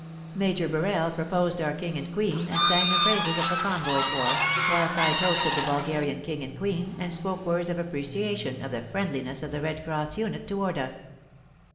Major Birrell proposed our King and Queen and sang the praises of the Convoy Corps, whilst I toasted the Bulgarian King and Queen and spoke words of appreciation of the friendli ness of the Red Cross unit toward us.